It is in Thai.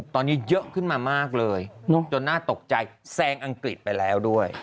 ตอนนี้เยอะขึ้นมามากเลยจนน่าตกใจแซงอังกฤษไปแล้วด้วย